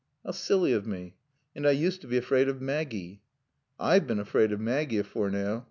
"How silly of me. And I used to be afraid of Maggie." "I've been afraaid of Maaggie afore now.